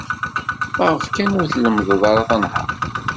Maɣef kan ur tlemmdem ara tanhaṛt?